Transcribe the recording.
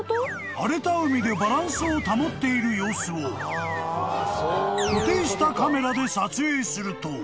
［荒れた海でバランスを保っている様子を固定したカメラで撮影すると］